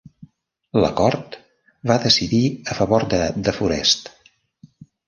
La Cort va decidir a favor de De Forest.